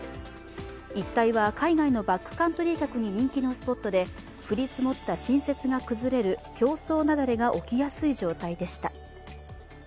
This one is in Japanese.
一帯は海外のバックカントリー客に人気のスポットで降り積もった新雪が崩れる表層雪崩が起きやすい状態でした。